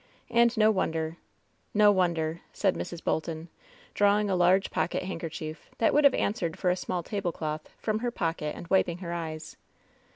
And no wonder — ^no won der!'' said Mrs. Bolton, drawing a large pocket hand kerchief, that would have answered for a small table cloth, from her pocket and wiping her eyes.